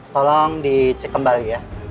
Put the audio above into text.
tolong dicek kembali ya